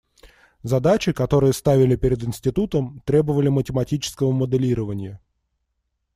Задачи, которые ставили перед институтом, требовали математического моделирования.